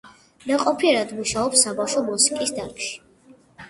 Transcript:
ნაყოფიერად მუშაობს საბავშვო მუსიკის დარგში.